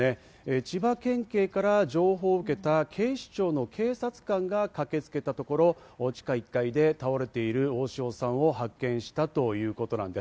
千葉県警から情報を受けた警視庁の警察官が駆けつけたところ、地下１階で倒れている大塩さんを発見したということなんです。